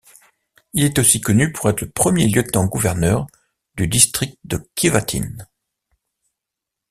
Il est aussi connu pour être le premier lieutenant-gouverneur du district de Keewatin.